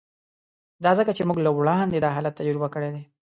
دا ځکه چې موږ له وړاندې دا حالت تجربه کړی دی